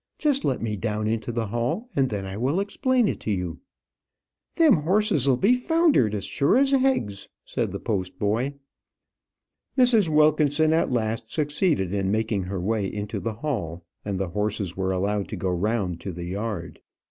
"Just let me down into the hall, and then I will explain it to you." "Them 'orses 'll be foundered as sure as heggs," said the post boy. Mrs. Wilkinson at last succeeded in making her way into the hall, and the horses were allowed to go round to the yard.